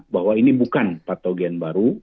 bahwa ini bukan patogen baru